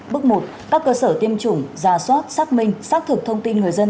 bước một các cơ sở tiêm chủng giả soát xác minh xác thực thông tin người dân